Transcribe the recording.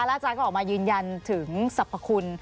อาจารย์ก็ออกมายืนยันถึงสรรพคุณ